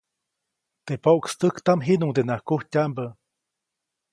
Teʼ pokstäjtaʼm jiʼnuŋdenaʼak kujtyaʼmbä.